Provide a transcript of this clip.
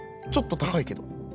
ちょっとたかいけど？」。